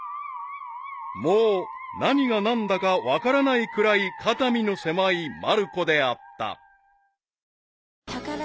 ［もう何が何だか分からないくらい肩身の狭いまる子であった］